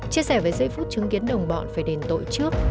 chia sẻ về giây phút chứng kiến đồng bọn phải đền tội trước